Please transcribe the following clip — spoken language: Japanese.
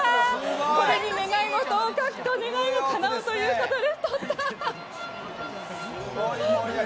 これに願い事を書くと願いがかなうということで。